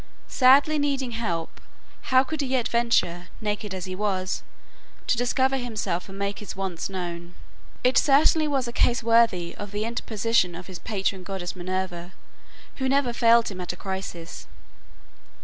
Sadly needing help, how could he yet venture, naked as he was, to discover himself and make his wants known? It certainly was a case worthy of the interposition of his patron goddess Minerva, who never failed him at a crisis.